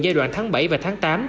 giai đoạn tháng bảy và tháng tám